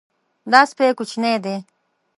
دا سپی کوچنی دی.